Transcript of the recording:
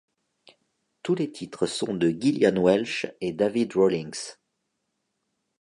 Tous les titres sont de Gillian Welch et David Rawlings.